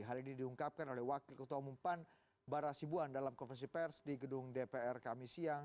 hal ini diungkapkan oleh wakil ketua umum pan bara sibuan dalam konferensi pers di gedung dpr kami siang